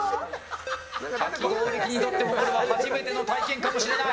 かき氷器にとっても初めての体験かもしれない。